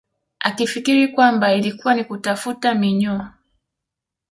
Akifikiri kwamba ilikuwa ni kutafuta minyoo